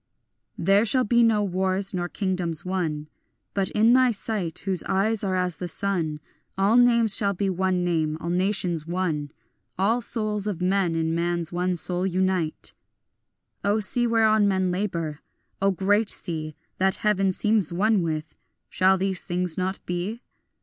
There shall be no more wars nor kingdoms won, But in thy sight whose eyes are as the sun All names shall be one name, all nations one, All souls of men in man's one soul unite. O sea whereon men labour, O great sea That heaven seems one with, shall these things not be?